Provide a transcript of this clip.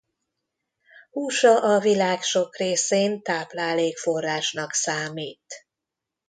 Húsa a világ sok részén táplálékforrásnak számít.